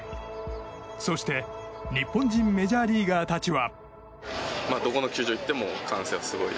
そして日本人メジャーリーガーたちは。